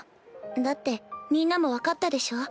だってみんなも分かったでしょ？